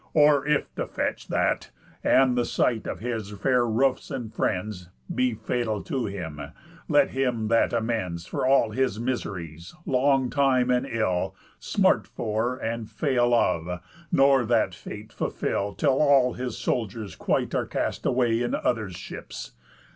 Or if to fetch That, and the sight of his fair roofs and friends, Be fatal to him, let him that amends For all his miseries, long time and ill, Smart for, and fail of; nor that fate fulfill, Till all his soldiers quite are cast away In others' ships.